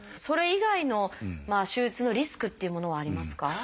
それ以外の手術のリスクっていうものはありますか？